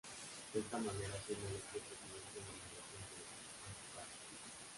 De esta manera siendo electo presidente de la región de Áncash.